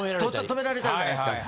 止められちゃうじゃないですか。